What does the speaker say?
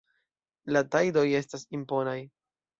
La tajdoj estas imponaj.